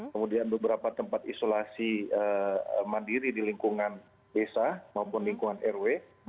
kemudian beberapa tempat isolasi mandiri di lingkungan desa maupun lingkungan rw